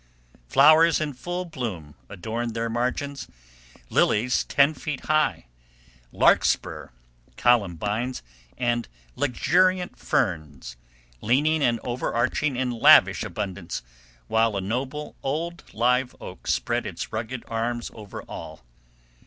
Flowers in full bloom adorned their margins, lilies ten feet high, larkspur, columbines, and luxuriant ferns, leaning and overarching in lavish abundance, while a noble old Live Oak spread its rugged arms over all.